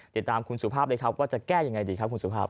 ติดตามคุณสุภาพเลยครับว่าจะแก้ยังไงดีครับคุณสุภาพ